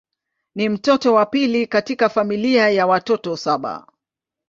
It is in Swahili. Ni mtoto wa pili katika familia ya watoto saba.